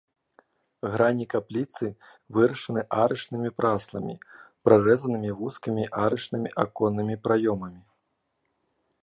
Грані капліцы вырашаны арачнымі прасламі, прарэзанымі вузкімі арачнымі аконнымі праёмамі.